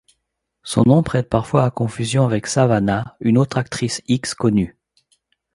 Son nom prête parfois à confusion avec Savannah, une autre actrice X connue.